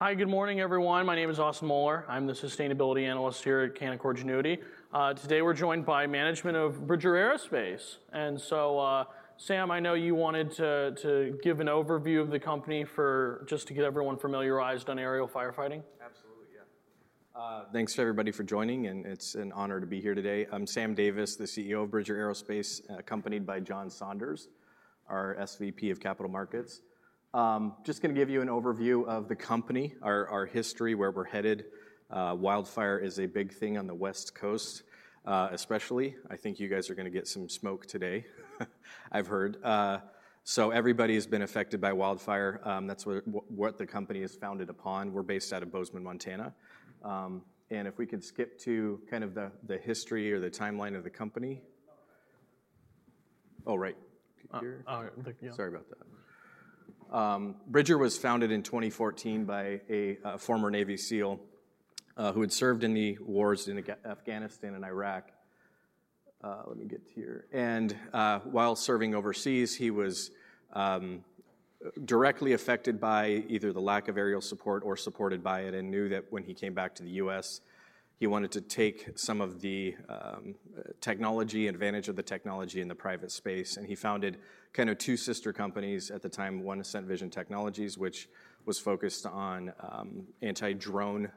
Hi, good morning, everyone. My name is Austin Moeller. I'm the sustainability analyst here at Canaccord Genuity. Today we're joined by management of Bridger Aerospace, and so, Sam, I know you wanted to, to give an overview of the company for, just to get everyone familiarized on aerial firefighting. Absolutely, yeah. Thanks to everybody for joining, and it's an honor to be here today. I'm Sam Davis, the CEO of Bridger Aerospace, accompanied by John Saunders, our SVP of Capital Markets. Just gonna give you an overview of the company, our history, where we're headed. Wildfire is a big thing on the West Coast, especially. I think you guys are gonna get some smoke today, I've heard. So everybody has been affected by wildfire. That's what the company is founded upon. We're based out of Bozeman, Montana. And if we could skip to kind of the history or the timeline of the company. Oh, right, here. Uh, yeah. Sorry about that. Bridger was founded in 2014 by a former Navy SEAL who had served in the wars in Afghanistan and Iraq. While serving overseas, he was directly affected by either the lack of aerial support or supported by it, and knew that when he came back to the U.S., he wanted to take some of the technology, advantage of the technology in the private space, and he founded kind of two sister companies at the time. One, Ascent Vision Technologies, which was focused on anti-drone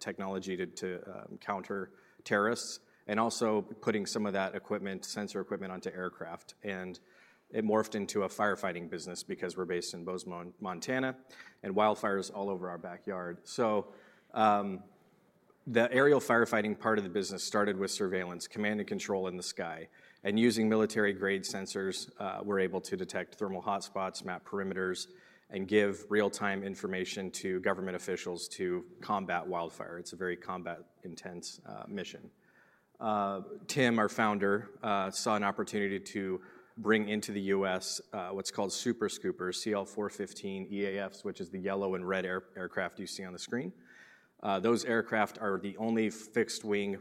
technology to counter terrorists, and also putting some of that equipment, sensor equipment, onto aircraft. It morphed into a firefighting business because we're based in Bozeman, Montana, and wildfire is all over our backyard. So, the aerial firefighting part of the business started with surveillance, command and control in the sky. Using military-grade sensors, we're able to detect thermal hotspots, map perimeters, and give real-time information to government officials to combat wildfire. It's a very combat intense mission. Tim, our founder, saw an opportunity to bring into the U.S. what's called Super Scooper, CL-415EAFs, which is the yellow and red aircraft you see on the screen. Those aircraft are the only fixed-wing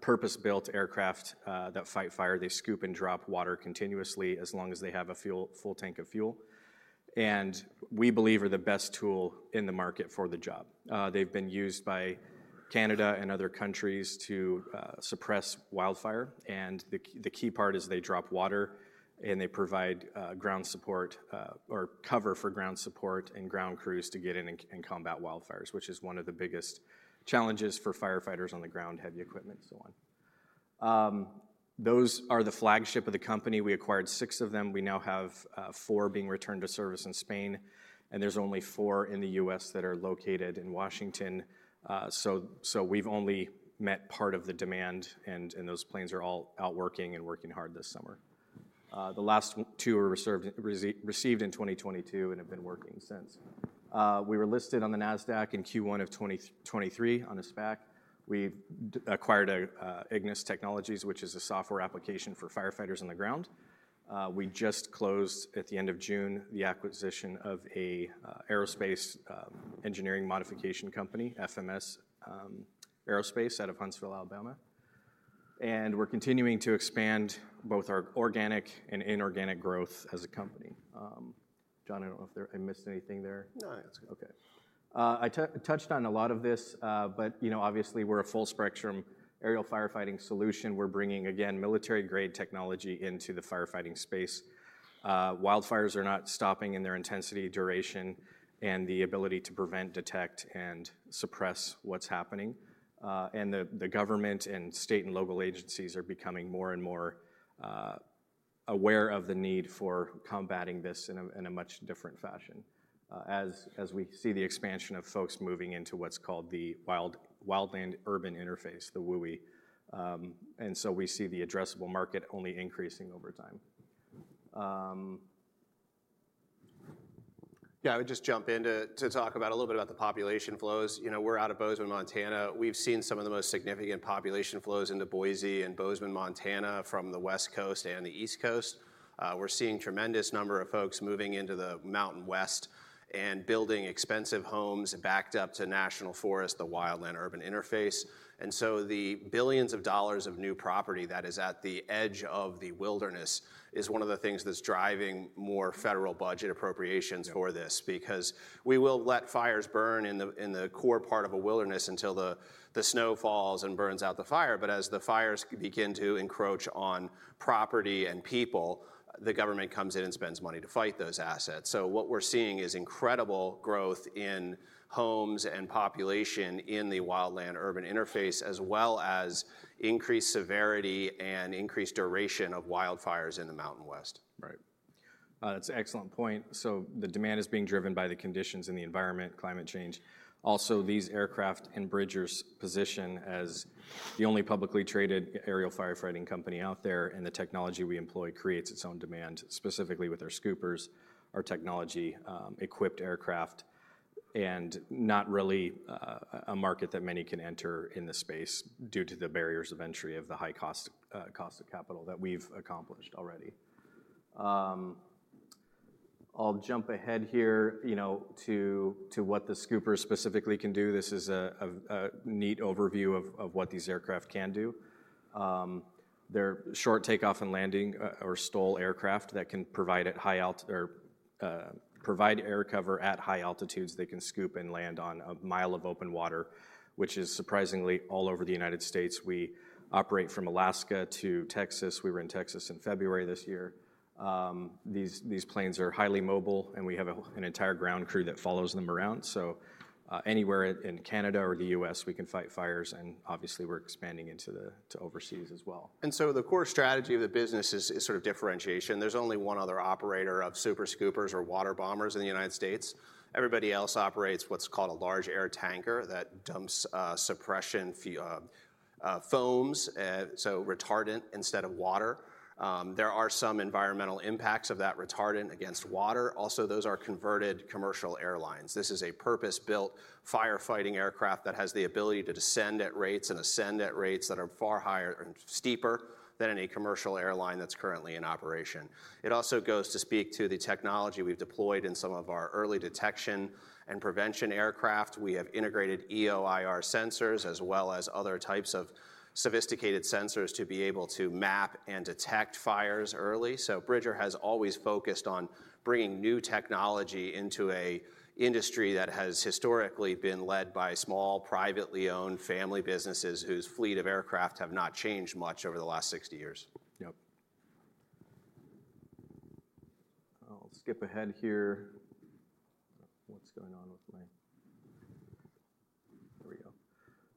purpose-built aircraft that fight fire. They scoop and drop water continuously as long as they have a full tank of fuel, and we believe are the best tool in the market for the job. They've been used by Canada and other countries to suppress wildfire, and the key, the key part is they drop water, and they provide ground support or cover for ground support and ground crews to get in and combat wildfires, which is one of the biggest challenges for firefighters on the ground, heavy equipment and so on. Those are the flagship of the company. We acquired six of them. We now have four being returned to service in Spain, and there's only four in the U.S. that are located in Washington. So, so we've only met part of the demand, and those planes are all out working and working hard this summer. The last one, two were received in 2022 and have been working since. We were listed on the NASDAQ in Q1 of 2023 on a SPAC. We've acquired Ignis Technologies, which is a software application for firefighters on the ground. We just closed at the end of June the acquisition of a aerospace engineering modification company, FMS Aerospace, out of Huntsville, Alabama. And we're continuing to expand both our organic and inorganic growth as a company. John, I don't know if there I missed anything there. No, that's good. Okay. I touched on a lot of this, but, you know, obviously, we're a full-spectrum aerial firefighting solution. We're bringing, again, military-grade technology into the firefighting space. Wildfires are not stopping in their intensity, duration, and the ability to prevent, detect, and suppress what's happening. And the government and state and local agencies are becoming more and more aware of the need for combating this in a much different fashion, as we see the expansion of folks moving into what's called the Wildland-Urban Interface, the WUI. And so we see the addressable market only increasing over time. Yeah, I would just jump in to talk about a little bit about the population flows. You know, we're out of Bozeman, Montana. We've seen some of the most significant population flows into Boise and Bozeman, Montana, from the West Coast and the East Coast. We're seeing tremendous number of folks moving into the Mountain West and building expensive homes backed up to national forests, the wildland-urban interface. And so the billions of dollars of new property that is at the edge of the wilderness is one of the things that's driving more federal budget appropriations for this, because we will let fires burn in the core part of a wilderness until the snow falls and burns out the fire, but as the fires begin to encroach on property and people, the government comes in and spends money to fight those assets. So what we're seeing is incredible growth in homes and population in the Wildland-Urban Interface, as well as increased severity and increased duration of wildfires in the Mountain West. Right. That's an excellent point. So the demand is being driven by the conditions in the environment, climate change. Also, these aircraft and Bridger's position as the only publicly traded aerial firefighting company out there, and the technology we employ creates its own demand, specifically with our Scoopers, our technology, equipped aircraft, and not really a market that many can enter in the space due to the barriers of entry of the high cost, cost of capital that we've accomplished already. I'll jump ahead here, you know, to what the Scooper specifically can do. This is a neat overview of what these aircraft can do. They're short takeoff and landing, or STOL aircraft that can provide air cover at high altitudes. They can scoop and land on a mile of open water, which is surprisingly all over the United States. We operate from Alaska to Texas. We were in Texas in February this year. These, these planes are highly mobile, and we have a, an entire ground crew that follows them around. So, anywhere in Canada or the U.S., we can fight fires, and obviously we're expanding into to overseas as well. The core strategy of the business is sort of differentiation. There's only one other operator of Super Scoopers or water bombers in the United States. Everybody else operates what's called a large air tanker that dumps suppression foams, so retardant instead of water. There are some environmental impacts of that retardant against water. Also, those are converted commercial airlines. This is a purpose-built firefighting aircraft that has the ability to descend at rates and ascend at rates that are far higher and steeper than any commercial airline that's currently in operation. It also goes to speak to the technology we've deployed in some of our early detection and prevention aircraft. We have integrated EO/IR sensors, as well as other types of sophisticated sensors, to be able to map and detect fires early. Bridger has always focused on bringing new technology into an industry that has historically been led by small, privately owned family businesses whose fleet of aircraft have not changed much over the last 60 years. Yep. I'll skip ahead here. What's going on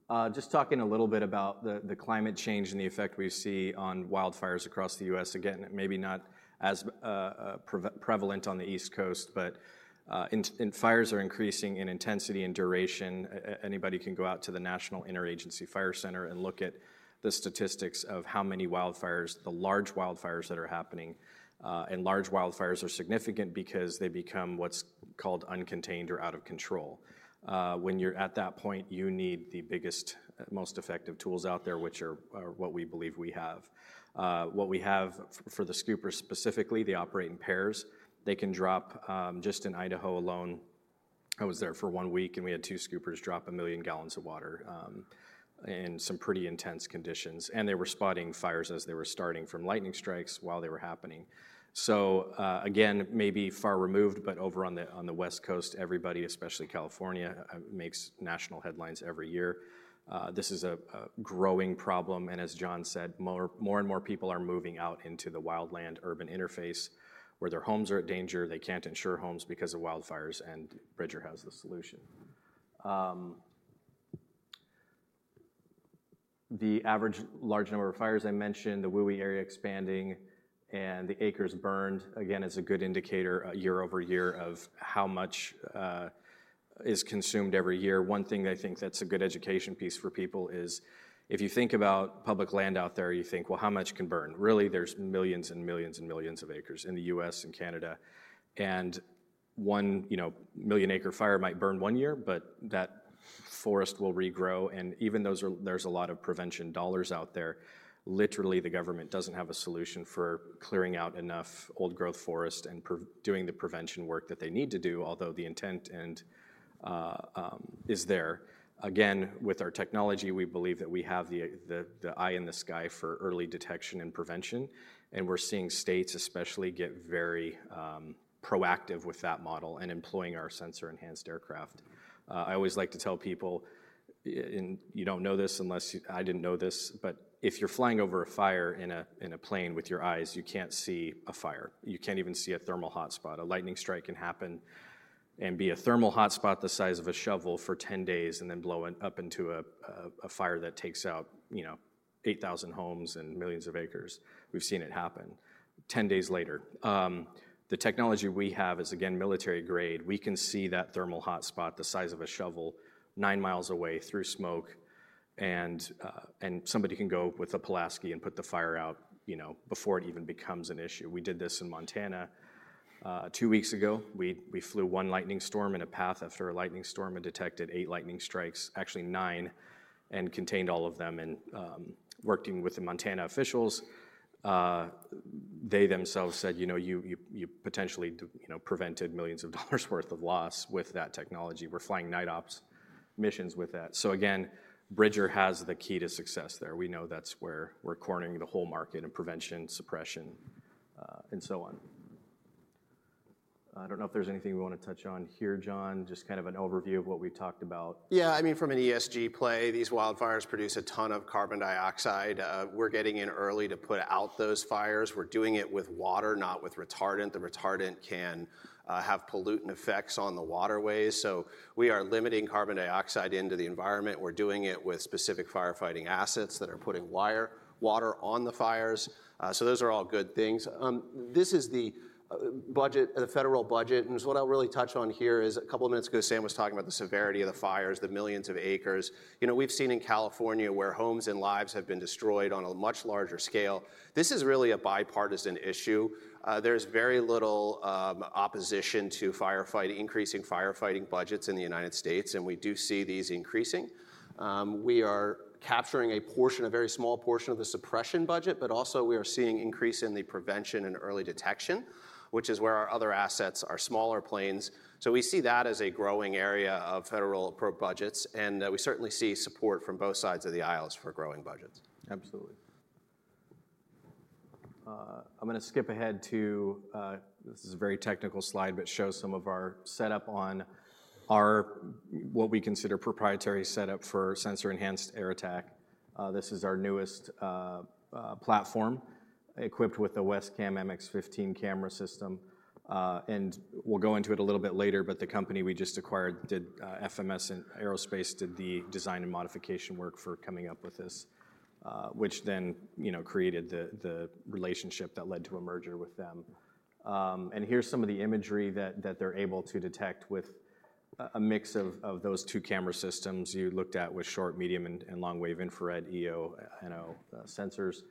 with my, there we go. Just talking a little bit about the climate change and the effect we see on wildfires across the U.S. again, it may be not as prevalent on the East Coast, but fires are increasing in intensity and duration. Anybody can go out to the National Interagency Fire Center and look at the statistics of how many wildfires, the large wildfires that are happening. And large wildfires are significant because they become what's called uncontained or out of control. When you're at that point, you need the biggest, most effective tools out there, which are what we believe we have. What we have for the Scooper, specifically, they operate in pairs. They can drop Just in Idaho alone, I was there for one week, and we had two Scoopers drop 1 million gallons of water in some pretty intense conditions. They were spotting fires as they were starting from lightning strikes while they were happening. Again, maybe far removed, but over on the West Coast, everybody, especially California, makes national headlines every year. This is a growing problem, and as John said, more and more people are moving out into the wildland-urban interface, where their homes are at danger. They can't insure homes because of wildfires, and Bridger has the solution. The average large number of fires I mentioned, the WUI area expanding, and the acres burned, again, is a good indicator year-over-year of how much is consumed every year. One thing that I think that's a good education piece for people is if you think about public land out there, you think, "Well, how much can burn?" Really, there's millions and millions and millions of acres in the U.S. and Canada. And one, you know, million-acre fire might burn one year, but that forest will regrow, and even those are. There's a lot of prevention dollars out there. Literally, the government doesn't have a solution for clearing out enough old-growth forest and doing the prevention work that they need to do, although the intent and is there. Again, with our technology, we believe that we have the eye in the sky for early detection and prevention, and we're seeing states especially get very proactive with that model and employing our sensor-enhanced aircraft. I always like to tell people, and you don't know this unless you I didn't know this, but if you're flying over a fire in a plane with your eyes, you can't see a fire. You can't even see a thermal hotspot. A lightning strike can happen and be a thermal hotspot the size of a shovel for 10 days, and then blow it up into a fire that takes out, you know, 8,000 homes and millions of acres. We've seen it happen 10 days later. The technology we have is, again, military grade. We can see that thermal hotspot the size of a shovel 9 miles away through smoke, and somebody can go with a Pulaski and put the fire out, you know, before it even becomes an issue. We did this in Montana, two weeks ago. We flew one lightning storm in a path after a lightning storm and detected eight lightning strikes, actually nine, and contained all of them. Working with the Montana officials, they themselves said: "You know, you potentially, you know, prevented millions of dollars worth of loss with that technology." We're flying night ops missions with that. So again, Bridger has the key to success there. We know that's where we're cornering the whole market in prevention, suppression, and so on. I don't know if there's anything you want to touch on here, John. Just kind of an overview of what we talked about. Yeah, I mean, from an ESG play, these wildfires produce a ton of carbon dioxide. We're getting in early to put out those fires. We're doing it with water, not with retardant. The retardant can have pollutant effects on the waterways, so we are limiting carbon dioxide into the environment. We're doing it with specific firefighting assets that are putting water on the fires. So those are all good things. This is the budget, the federal budget, and so what I'll really touch on here is a couple of minutes ago, Sam was talking about the severity of the fires, the millions of acres. You know, we've seen in California, where homes and lives have been destroyed on a much larger scale. This is really a bipartisan issue. There's very little opposition to increasing firefighting budgets in the United States, and we do see these increasing. We are capturing a portion, a very small portion of the suppression budget, but also we are seeing increase in the prevention and early detection, which is where our other assets are, smaller planes. So we see that as a growing area of federal program budgets, and we certainly see support from both sides of the aisle for growing budgets. Absolutely. I'm going to skip ahead to, this is a very technical slide, but shows some of our setup on our, what we consider proprietary setup for sensor-enhanced air attack. This is our newest platform, equipped with the WESCAM MX-15 camera system. And we'll go into it a little bit later, but the company we just acquired did, FMS Aerospace did the design and modification work for coming up with this, which then, you know, created the relationship that led to a merger with them. And here's some of the imagery that they're able to detect with a mix of those two camera systems you looked at with short, medium, and long-wave infrared EO/IR sensors,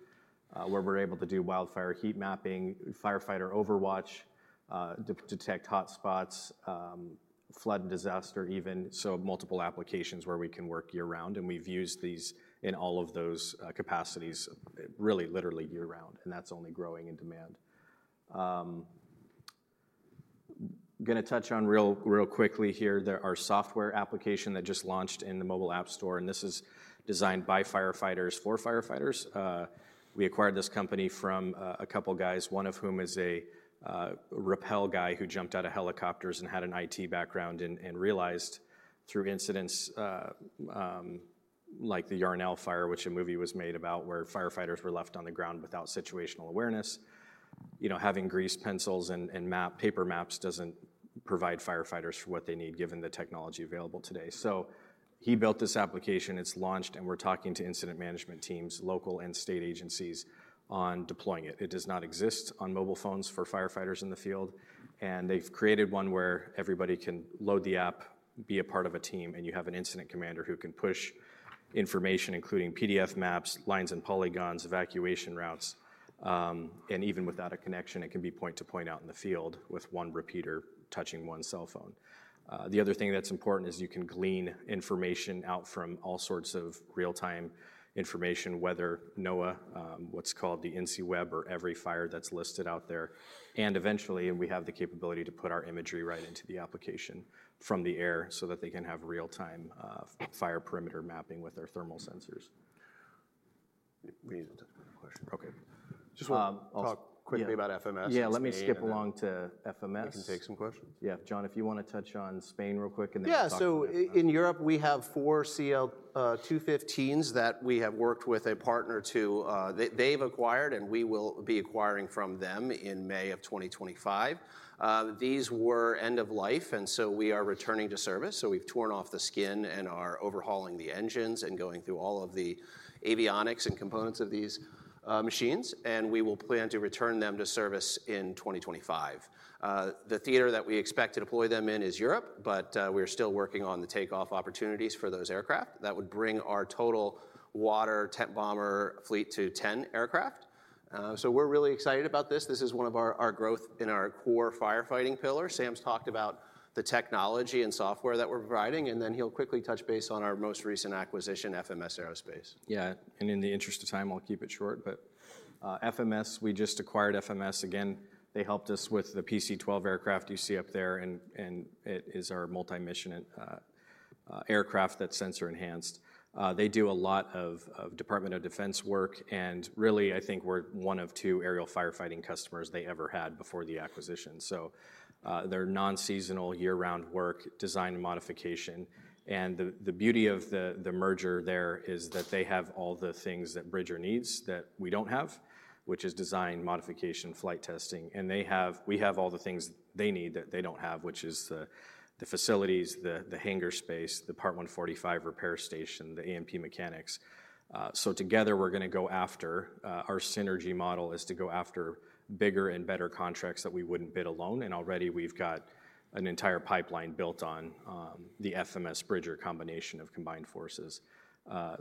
where we're able to do wildfire heat mapping, firefighter overwatch, detect hotspots, flood and disaster even, so multiple applications where we can work year-round, and we've used these in all of those capacities, really literally year-round, and that's only growing in demand. Gonna touch on real quickly here, our software application that just launched in the mobile app store, and this is designed by firefighters for firefighters. We acquired this company from a couple of guys, one of whom is a rappel guy who jumped out of helicopters and had an IT background and realized through incidents like the Yarnell Fire, which a movie was made about, where firefighters were left on the ground without situational awareness. You know, having grease pencils and paper maps doesn't provide firefighters what they need, given the technology available today. So he built this application, it's launched, and we're talking to incident management teams, local and state agencies, on deploying it. It does not exist on mobile phones for firefighters in the field, and they've created one where everybody can load the app, be a part of a team, and you have an incident commander who can push information, including PDF maps, lines and polygons, evacuation routes, and even without a connection, it can be point to point out in the field with one repeater touching one cell phone. The other thing that's important is you can glean information out from all sorts of real-time information, whether NOAA, what's called the InciWeb or every fire that's listed out there. And eventually, we have the capability to put our imagery right into the application from the air, so that they can have real-time fire perimeter mapping with our thermal sensors. We need to touch on the question. Okay. I'll- Just want to talk quickly about FMS. Yeah, let me skip along to FMS. We can take some questions. Yeah. John, if you want to touch on Spain real quick, and then- Yeah, so in Europe, we have four CL-215s that we have worked with a partner to... They've acquired, and we will be acquiring from them in May of 2025. These were end of life, and so we are returning to service, so we've torn off the skin and are overhauling the engines and going through all of the avionics and components of these machines, and we will plan to return them to service in 2025. The theater that we expect to deploy them in is Europe, but we are still working on the takeoff opportunities for those aircraft. That would bring our total water tank bomber fleet to 10 aircraft. So we're really excited about this. This is one of our growth in our core firefighting pillar. Sam's talked about the technology and software that we're providing, and then he'll quickly touch base on our most recent acquisition, FMS Aerospace. Yeah, and in the interest of time, I'll keep it short, but FMS, we just acquired FMS. Again, they helped us with the PC-12 aircraft you see up there, and it is our multi-mission aircraft, that's sensor enhanced. They do a lot of Department of Defense work, and really, I think we're one of two aerial firefighting customers they ever had before the acquisition. So, they're non-seasonal, year-round work, design, and modification, and the beauty of the merger there is that they have all the things that Bridger needs that we don't have, which is design, modification, flight testing. And we have all the things they need that they don't have, which is the facilities, the hangar space, the Part 145 repair station, the A&P mechanics. So together, we're gonna go after our synergy model is to go after bigger and better contracts that we wouldn't bid alone, and already we've got an entire pipeline built on the FMS Bridger combination of combined forces.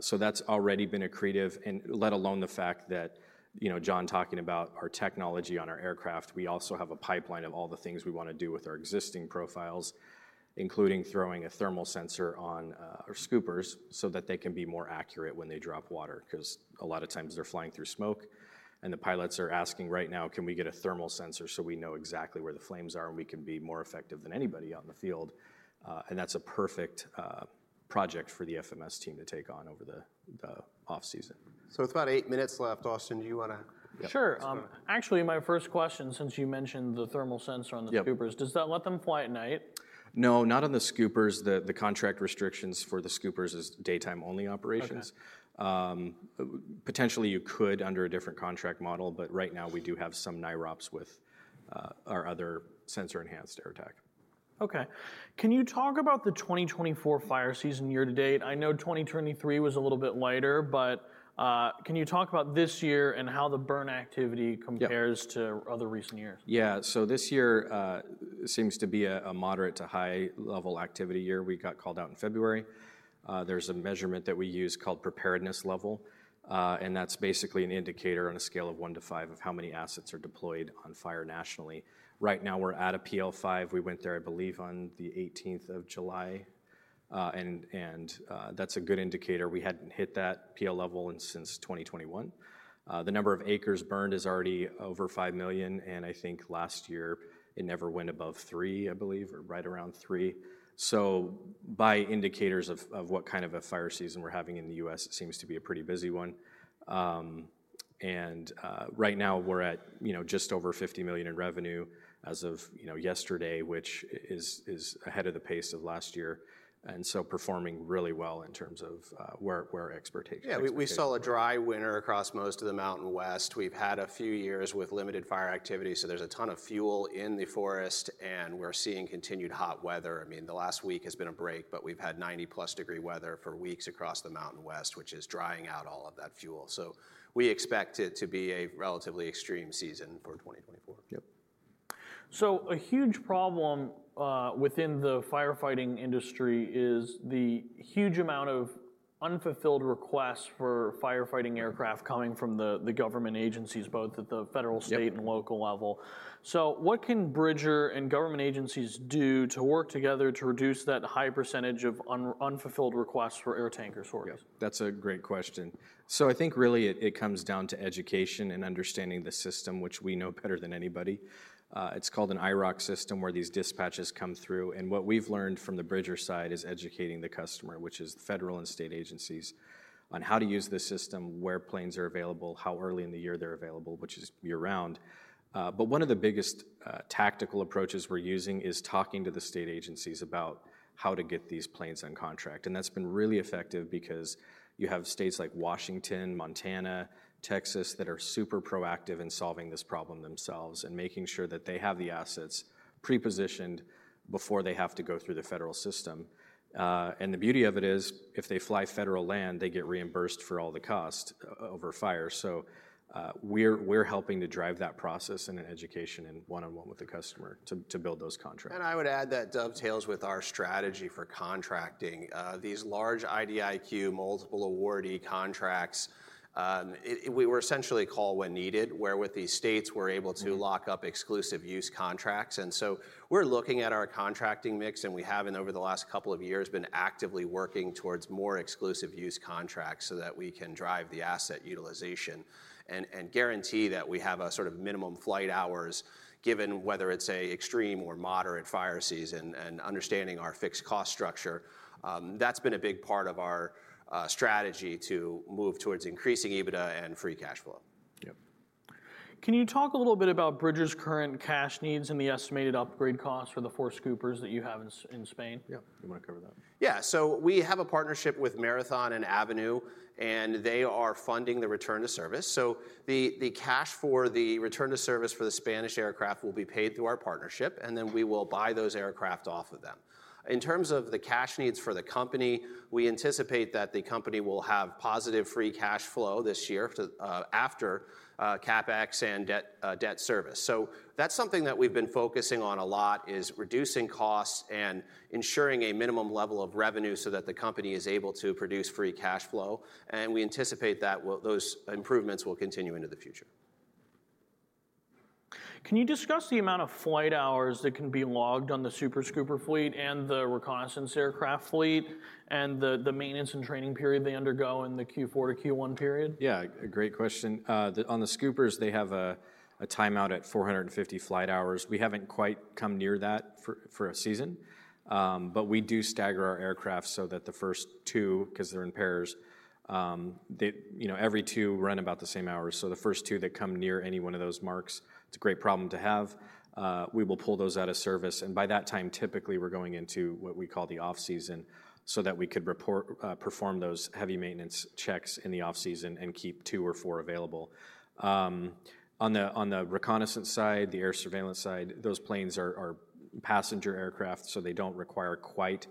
So that's already been accretive and let alone the fact that, you know, John talking about our technology on our aircraft, we also have a pipeline of all the things we want to do with our existing profiles, including throwing a thermal sensor on our Scoopers, so that they can be more accurate when they drop water, 'cause a lot of times they're flying through smoke and the pilots are asking right now: "Can we get a thermal sensor so we know exactly where the flames are, and we can be more effective than anybody out in the field?" And that's a perfect project for the FMS team to take on over the off-season. It's about eight minutes left. Austin, do you wanna- Sure. Yeah. Actually, my first question, since you mentioned the thermal sensor on the Scoopers- Yep. Does that let them fly at night? No, not on the Scoopers. The contract restrictions for the Scoopers is daytime-only operations. Okay. Potentially, you could under a different contract model, but right now we do have some NIROPS with our other sensor enhanced air attack. Okay. Can you talk about the 2024 fire season year to date? I know 2023 was a little bit lighter, but, can you talk about this year and how the burn activity compares- Yeah to other recent years? Yeah. So this year seems to be a moderate to high level activity year. We got called out in February. There's a measurement that we use called preparedness level, and that's basically an indicator on a scale of one to five of how many assets are deployed on fire nationally. Right now, we're at a PL5. We went there, I believe, on the 18th of July, and that's a good indicator. We hadn't hit that PL level since 2021. The number of acres burned is already over 5 million, and I think last year it never went above 3 million, I believe, or right around 3 million. So by indicators of what kind of a fire season we're having in the U.S., it seems to be a pretty busy one. Right now we're at, you know, just over $50 million in revenue as of, you know, yesterday, which is ahead of the pace of last year, and so performing really well in terms of where expectations- Yeah, we, we saw a dry winter across most of the Mountain West. We've had a few years with limited fire activity, so there's a ton of fuel in the forest, and we're seeing continued hot weather. I mean, the last week has been a break, but we've had 90+ degree weather for weeks across the Mountain West, which is drying out all of that fuel. So we expect it to be a relatively extreme season for 2024. Yep. A huge problem within the firefighting industry is the huge amount of unfulfilled requests for firefighting aircraft coming from the government agencies, both at the federal- Yep state, and local level. So what can Bridger and government agencies do to work together to reduce that high percentage of unfulfilled requests for air tanker sources? Yeah, that's a great question. So I think really it, it comes down to education and understanding the system, which we know better than anybody. It's called an IROC system, where these dispatches come through, and what we've learned from the Bridger side is educating the customer, which is the federal and state agencies, on how to use the system, where planes are available, how early in the year they're available, which is year-round. But one of the biggest, tactical approaches we're using is talking to the state agencies about how to get these planes on contract, and that's been really effective because you have states like Washington, Montana, Texas, that are super proactive in solving this problem themselves and making sure that they have the assets pre-positioned before they have to go through the federal system. and the beauty of it is, if they fly federal land, they get reimbursed for all the cost over fire. So, we're helping to drive that process and an education and one-on-one with the customer to build those contracts. I would add that dovetails with our strategy for contracting. These large IDIQ multiple awardee contracts, we were essentially call when needed, where with these states we're able to- Mm-hmm lock up exclusive use contracts. And so we're looking at our contracting mix, and we have in over the last couple of years, been actively working towards more exclusive use contracts so that we can drive the asset utilization and guarantee that we have a sort of minimum flight hours given, whether it's a extreme or moderate fire season, and understanding our fixed cost structure. That's been a big part of our strategy to move towards increasing EBITDA and free cash flow. Yep. Can you talk a little bit about Bridger's current cash needs and the estimated upgrade costs for the four Scoopers that you have in Spain? Yeah. You wanna cover that? Yeah. So we have a partnership with Marathon and Avenue, and they are funding the return to service. So the cash for the return to service for the Spanish aircraft will be paid through our partnership, and then we will buy those aircraft off of them. In terms of the cash needs for the company, we anticipate that the company will have positive free cash flow this year to, after, CapEx and debt, debt service. So that's something that we've been focusing on a lot, is reducing costs and ensuring a minimum level of revenue so that the company is able to produce free cash flow, and we anticipate that will, those improvements will continue into the future. Can you discuss the amount of flight hours that can be logged on the Super Scooper fleet and the reconnaissance aircraft fleet, and the maintenance and training period they undergo in the Q4 to Q1 period? Yeah, a great question. On the Scoopers, they have a timeout at 450 flight hours. We haven't quite come near that for a season. But we do stagger our aircraft so that the first two, 'cause they're in pairs, they, you know, every two run about the same hours. So the first two that come near any one of those marks, it's a great problem to have. We will pull those out of service, and by that time, typically, we're going into what we call the off-season, so that we could perform those heavy maintenance checks in the off-season and keep two or four available. On the reconnaissance side, the air surveillance side, those planes are passenger aircraft, so they don't require quite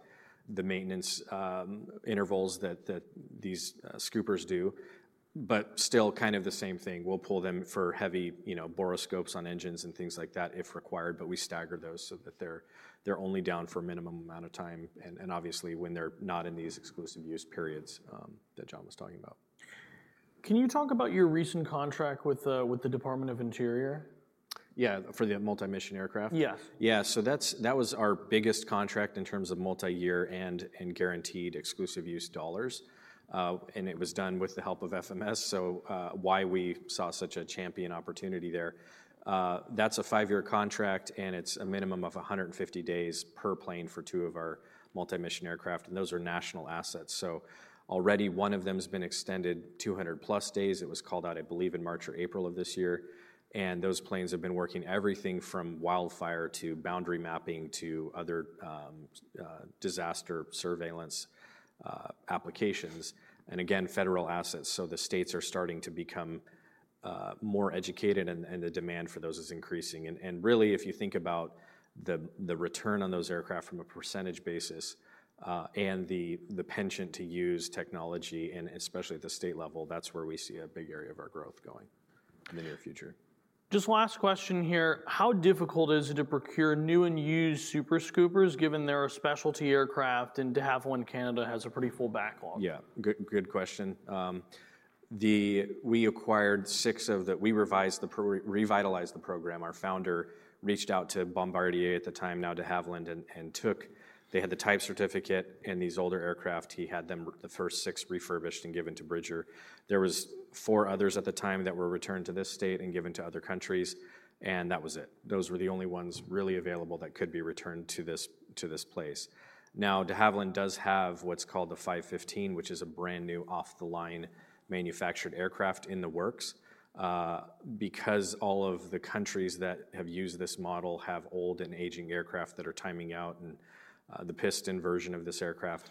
the maintenance intervals that these Scoopers do. But still kind of the same thing. We'll pull them for heavy, you know, borescopes on engines and things like that, if required, but we stagger those so that they're only down for a minimum amount of time, and obviously, when they're not in these exclusive use periods that John was talking about. Can you talk about your recent contract with the Department of the Interior? Yeah, for the multi-mission aircraft? Yeah. Yeah. So that was our biggest contract in terms of multi-year and guaranteed exclusive use dollars. And it was done with the help of FMS, so why we saw such a champion opportunity there. That's a five-year contract, and it's a minimum of 150 days per plane for two of our multi-mission aircraft, and those are national assets. So already one of them has been extended 200+ days. It was called out, I believe, in March or April of this year, and those planes have been working everything from wildfire to boundary mapping to other disaster surveillance applications. And again, federal assets, so the states are starting to become more educated and the demand for those is increasing. Really, if you think about the return on those aircraft from a percentage basis, and the penchant to use technology in, especially at the state level, that's where we see a big area of our growth going in the near future. Just last question here. How difficult is it to procure new and used Super Scoopers, given they're a specialty aircraft, and De Havilland Canada has a pretty full backlog? Yeah. Good, good question. We acquired six of the, we revitalized the program. Our founder reached out to Bombardier at the time, now De Havilland, and took, they had the type certificate in these older aircraft. He had them, the first six, refurbished and given to Bridger. There was four others at the time that were returned to this state and given to other countries, and that was it. Those were the only ones really available that could be returned to this, to this place. Now, De Havilland does have what's called the 515, which is a brand-new, off-the-line manufactured aircraft in the works. Because all of the countries that have used this model have old and aging aircraft that are timing out, and the piston version of this aircraft,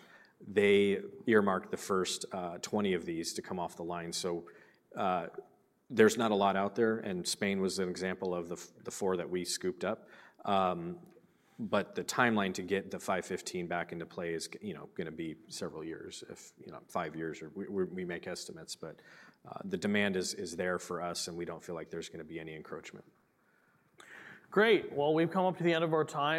they earmarked the first 20 of these to come off the line. So there's not a lot out there, and Spain was an example of the four that we scooped up. But the timeline to get the 515 back into play is, you know, gonna be several years, if, you know, five years or we make estimates, but the demand is there for us, and we don't feel like there's gonna be any encroachment. Great! Well, we've come up to the end of our time.